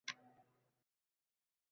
Ozor bilmasin.